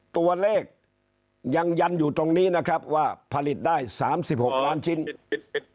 ตัวเลขยังยันอยู่ตรงนี้นะครับว่าผลิตได้๓๖ล้านชิ้น